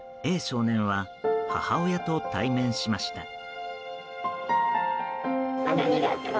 少年は母親と対面しました。